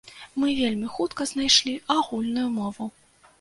Мы вельмі хутка знайшлі агульную мову.